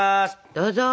どうぞ。